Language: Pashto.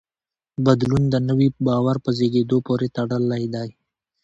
بدلون د نوي باور په زېږېدو پورې تړلی دی.